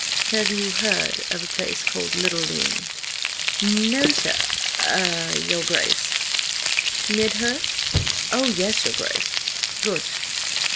"Have you heard of a place called Littledean?" "No, s–your Grace." "Midhurst?" "Oh, yes, your Grace." "Good.